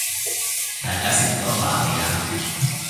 大家食咗飯未呀？